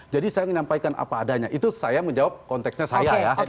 jadi saya menyampaikan apa adanya itu saya menjawab konteksnya saya ya